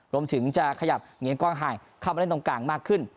รวมถึงจะขยับเหงียนกว้างหายเข้าไปเล่นตรงกลางมากขึ้น